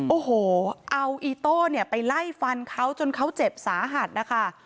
โอ้โหเอาอีโต้เนี่ยไปไล่ฟันเขาจนเขาเจ็บสาหัสนะคะ